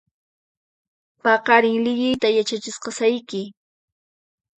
Paqarin liyiyta yachachisqayki